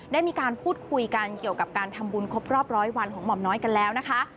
ได้มีการพูดคุยกันเกี่ยวกับการทำบุญครบรอบร้อยวันของหม่อมน้อยกันแล้วนะคะ